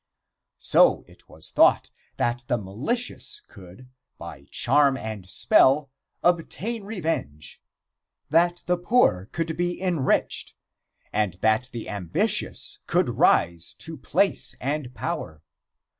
So, it was thought that the malicious could by charm and spell obtain revenge, that the poor could be enriched, and that the ambitious could rise to place and power.